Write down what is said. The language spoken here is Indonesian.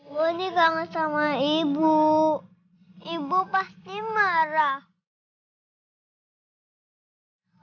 gue nih kangen sama ibu ibu pasti marah